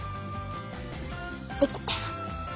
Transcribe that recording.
できた！